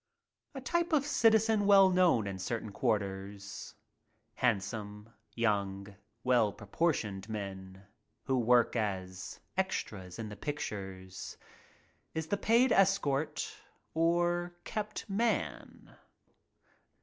A type of "citizen" well known in certain quar ters — handsome, young, well proportioned men who work as "extras" in the pictures — is the paid escort or "kept man."